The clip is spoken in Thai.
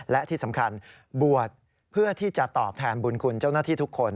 และที่สำคัญบวชเพื่อที่จะตอบแทนบุญคุณเจ้าหน้าที่ทุกคน